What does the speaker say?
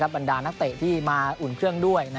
บรรดานักเตะที่มาอุ่นเครื่องด้วย